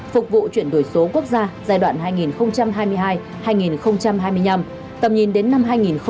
phục vụ chuyển đổi số quốc gia giai đoạn hai nghìn hai mươi hai hai nghìn hai mươi năm tầm nhìn đến năm hai nghìn ba mươi